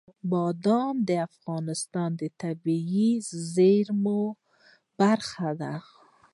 بادام د افغانستان د طبیعي زیرمو برخه ده.